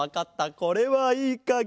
これはいいかげ！